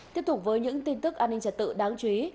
tiếp tục với những tin tức an ninh trật tự đáng chú ý